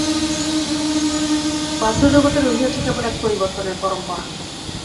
বাহ্যজগতে রহিয়াছে কেবল এক পরিবর্তনের পরম্পরা।